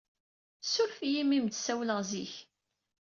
Suref-iyi imi m-d-ssawleɣ zik.